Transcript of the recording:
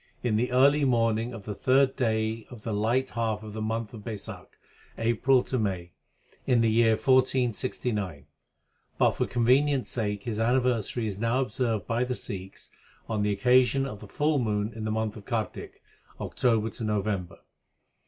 in the early morningjpf the third day oL th light half of thp month of Raisakh (April May) in the__ySr_ AiD._ 1469 ; but for convenience sake his anniversary is now observed by the Sikhs on the occasion of the full moon in the month of Kartik (October November).